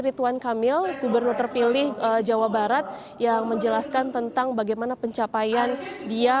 rituan kamil gubernur terpilih jawa barat yang menjelaskan tentang bagaimana pencapaian dia